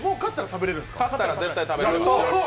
勝ったら絶対食べられます。